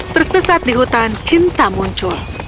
tersesat di hutan cinta muncul